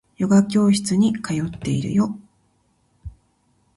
ヨガ教室に通っているよ